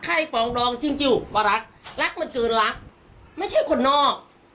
ปองดองจริงว่ารักรักมันเกินรักไม่ใช่คนนอก